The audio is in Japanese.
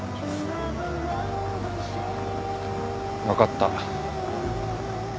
分かった。